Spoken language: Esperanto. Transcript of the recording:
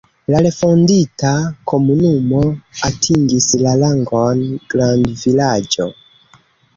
La refondita komunumo atingis la rangon grandvilaĝo.